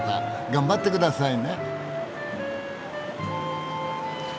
頑張ってくださいね。